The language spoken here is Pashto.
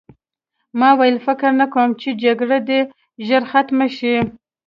ما وویل فکر نه کوم چې جګړه دې ژر ختمه شي